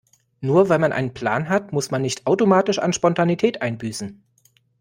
Nur weil man einen Plan hat, muss man nicht automatisch an Spontanität einbüßen.